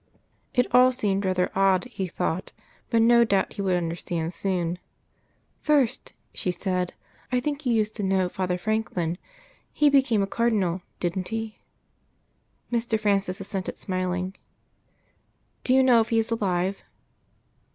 It all seemed rather odd, he thought, but no doubt he would understand soon. "First," she said, "I think you used to know Father Franklin. He became a Cardinal, didn't he?" Mr. Francis assented, smiling. "Do you know if he is alive?"